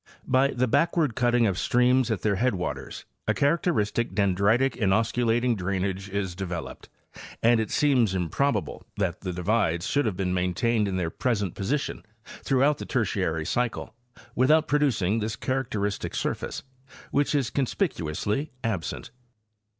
By the backward cutting of streams at their headwaters a characteristic dendritic, inosculating drain age is developed, and it seems improbable that the divides should have been maintained in their present position throughout the Tertiary cycle without producing this characteristic surface, which is conspicuously absent.